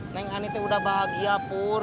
neng ani udah bahagia pur